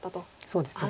そうですね。